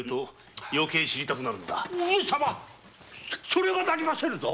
それはなりませぬぞ。